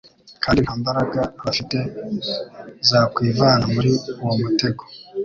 kandi nta mbaraga bafite zakwivana muri uwo mutego